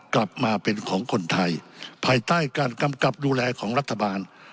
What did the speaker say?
กลับมาเป็นของคนไทยภายใต้การกำกับดูแลของรัฐบาล